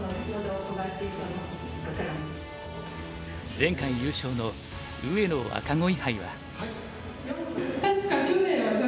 前回優勝の上野若鯉杯は。